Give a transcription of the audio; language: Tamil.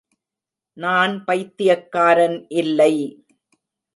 நான் பைத்தியக்காரன் இல்லை.